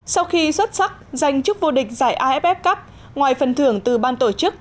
sau khi xuất sắc giành chức vô địch giải aff cup ngoài phần thưởng từ ban tổ chức